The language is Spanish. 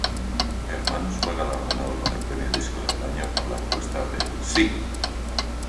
Hermanos fue galardonado con el premio disco del año por la encuesta del Si!